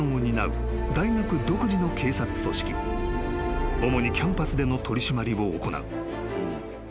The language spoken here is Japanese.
［主にキャンパスでの取り締まりを行う］